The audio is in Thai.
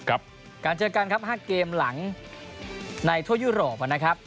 การเจอกันครับ๕เกมหลังในทั่วยุโรปนะครับ